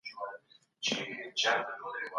خارښ د پوستکي اختلالاتو یوه نښه ده.